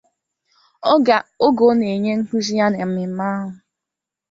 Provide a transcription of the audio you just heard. Oge ọ na-enye nkuzi ya na mmemme ahụ